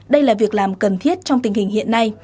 đây là việc làm cần thiết trong tình hình hiện nay